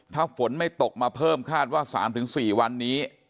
ถ้าฝนไม่ตกมาเพิ่มคาดว่า๓๔วันนี้